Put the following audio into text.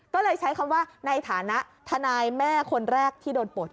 ก็เลยใช้คำว่าในฐานะทนายแม่คนแรกที่โดนปลด